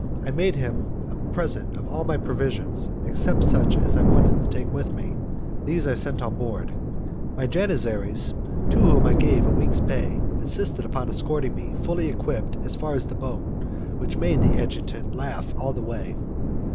I made him a present of all my provisions, except such as I wanted to take with me; these I sent on board. My janissaries, to whom I gave a week's pay, insisted upon escorting me, fully equipped, as far as the boat, which made the adjutant laugh all the way.